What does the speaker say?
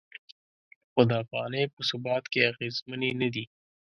خو د افغانۍ په ثبات کې اغیزمنې نه دي.